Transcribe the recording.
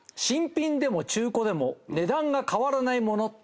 新品でも中古でも値段が変わらないもの？